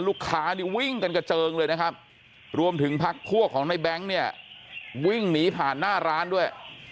ลูกค้านี่วิ่งกันกระเจิงเลยนะครับรวมถึงพักพวกของในแบงค์เนี่ยวิ่งหนีผ่านหน้าร้านด้วย